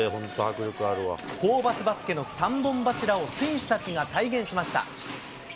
ホーバスバスケの３本柱を選手たちが体現しました。